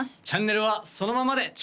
チャンネルはそのままで！